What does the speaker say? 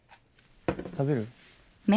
食べる？